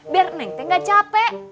biar neng teng gak capek